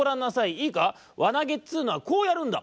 いいかわなげっつうのはこうやるんだ！